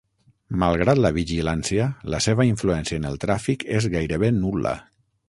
Malgrat la vigilància, la seva influència en el tràfic és gairebé nul·la.